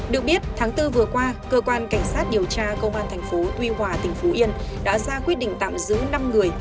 được biết tháng bốn vừa qua cơ quan cảnh sát điều tra công an tp tuy hòa tỉnh phú yên đã ra quyết định tạm giữ năm người